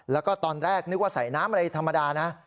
แล้วก็ตอนแรกนึกว่าใส่น้ำอะไรธรรมดานะ